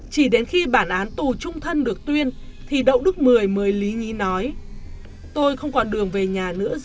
chỉ đến khi bản án tù trung thân được tuyên thì đậu đức mười mới lý nhí nói tôi không còn đường về nhà nữa